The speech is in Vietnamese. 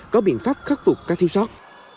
có biện pháp khắc phục các thiêu sót